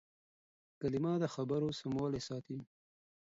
کلیمه د خبرو سموالی ساتي.